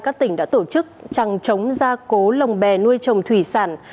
các tỉnh đã tổ chức trăng trống gia cố lồng bè nuôi trồng thủy sản